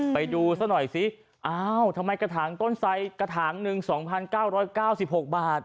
ไปดูซะหน่อยสิอ้าวทำไมกระถางต้นไสกระถางหนึ่ง๒๙๙๖บาท